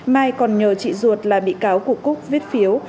mai còn nhờ chị ruột là bị cáo của cúc viết phiếu